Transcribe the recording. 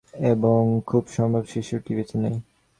এবং খুব সম্ভব শিশুটি বেঁচে নেই।